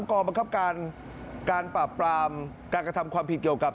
กองบังคับการการปราบปรามการกระทำความผิดเกี่ยวกับ